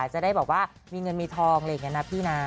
จะได้แบบว่ามีเงินมีทองอะไรอย่างนี้นะพี่นะ